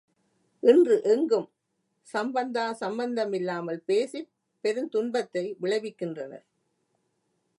இன்று எங்கும் சம்பந்தா சம்பந்தமில்லாமல் பேசிப் பெருந்துன்பத்தை விளைவிக்கின்றனர்.